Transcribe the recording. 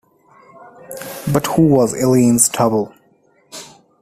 But who was Eileen's double.